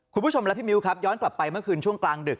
คุณผู้ชมและพี่มิ้วครับย้อนกลับไปเมื่อคืนช่วงกลางดึก